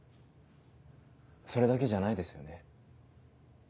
それだけじゃないですよね。